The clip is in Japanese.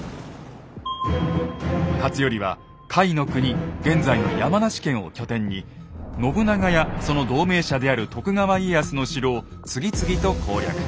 勝頼は甲斐国現在の山梨県を拠点に信長やその同盟者である徳川家康の城を次々と攻略。